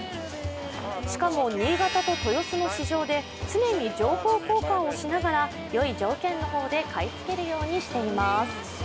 しかも、新潟と豊洲の市場で常に情報交換をしながらよい条件の方で買い付けるようにしています。